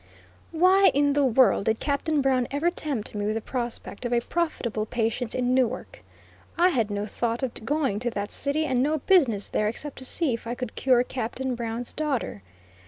Why in the world did Captain Brown ever tempt me with the prospect of a profitable patient in Newark? I had no thought of going to that city, and no business there except to see if I could cure Captain Brown's daughter.